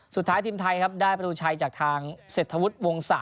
สุดท้ายทีมไทยครับได้ประตูชัยจากทางเศรษฐวุฒิวงศะ